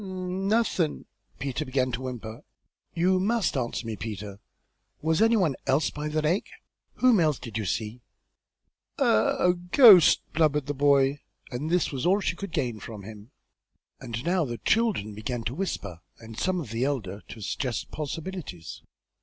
"N Nothin' " Peter began to whimper. "You must answer me, Peter; was any one else by the lake? Whom else did you see?" "A a ghost!" blubbered the boy, and this was all she could gain from him. And now the children began to whisper, and some of the elder to suggest possibilities.